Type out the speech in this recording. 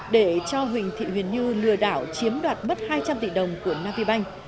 để cho huỳnh thị huyền như lừa đảo chiếm đoạt bất hai trăm linh tỷ đồng của navibank